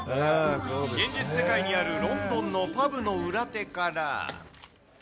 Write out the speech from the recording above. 現実世界にあるロンドンのパブの裏手から。